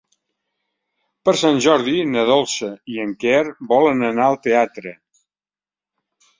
Per Sant Jordi na Dolça i en Quer volen anar al teatre.